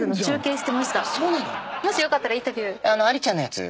もしよかったらインタビュー。